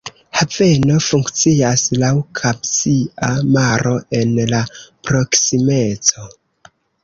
Haveno funkcias laŭ Kaspia Maro en la proksimeco.